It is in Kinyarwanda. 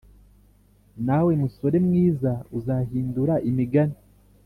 "nawe, musore mwiza, uzahindura imigani?"